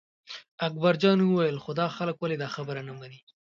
اکبرجان وویل خو دا خلک ولې دا خبره نه مني.